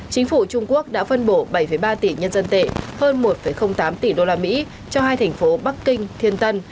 chính phủ trung quốc đã phân bổ bảy ba tỷ nhân dân tệ hơn một tám tỷ usd cho hai thành phố bắc kinh thiên tân